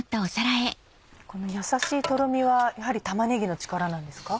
このやさしいとろみはやはり玉ねぎの力なんですか？